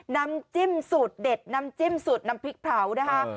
น้ำจิ้มสูตรเด็ดน้ำจิ้มสูตรน้ำพริกเผานะคะ